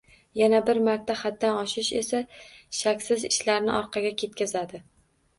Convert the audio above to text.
Yana bir marta: haddan oshish esa, shaksiz, ishlarni orqaga ketkazadi.